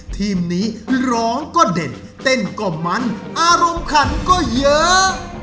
ทีมนี้ร้องก็เด่นเต้นก็มันอารมณ์ขันก็เยอะ